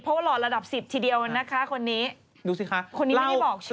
เพราะว่าหล่อระดับสิบทีเดียวนะคะคนนี้ดูสิคะคนนี้ยังไม่บอกใช่ไหม